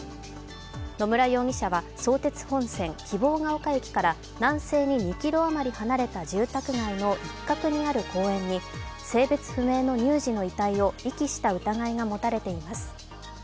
野村容疑者は相鉄本線・希望ヶ丘駅から南西に２ｋｍ余り離れた住宅街の一角にある公園に性別不明の乳児の遺体を遺棄した疑いがもたれています。